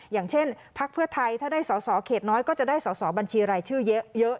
อย่างเช่นพักเพื่อไทยถ้าได้สอสอเขตน้อยก็จะได้สอสอบัญชีรายชื่อเยอะ